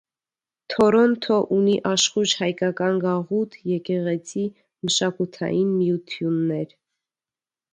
Թորոնթօ ունի աշխոյժ հայկական գաղութ, եկեղեցի, մշակութային միութիւններ։